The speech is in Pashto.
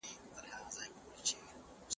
عطارد، وینوس او ځمکه د لمر سره خوري.